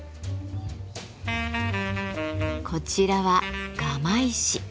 こちらはガマ石。